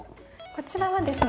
こちらはですね